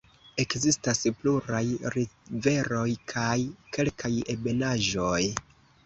Ekzistas pluraj riveroj kaj kelkaj ebenaĵoj.